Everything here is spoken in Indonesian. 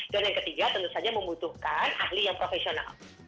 dan yang ketiga tentu saja membutuhkan ahli yang profesional